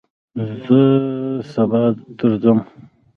زه سبا درځم